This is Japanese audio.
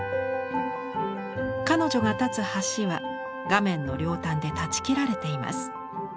彼女が立つ橋は画面の両端で断ち切られています。